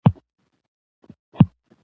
او هم په سيدآباد ولسوالۍ ډېرې اوبه بهيږي،